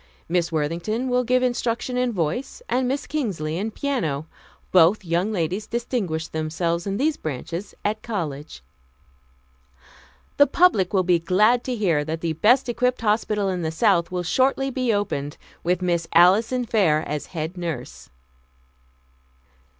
Miss Worthington will give instruction in voice and Miss Kingsley in piano. Both young ladies distinguished themselves in these branches at college." "The public will be glad to hear that the best equipped hospital in the South will shortly be opened, with Miss Alison Fair as head nurse."